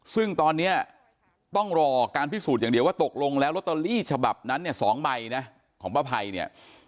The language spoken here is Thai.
ซึ่งตอนนี้ต้องรอการพิสูจน์อย่างเดียวว่าตกลงแล้วลอตเตอรี่ฉบับนั้นเนี่ย๒ใบนะของป้าภัยเนี่ย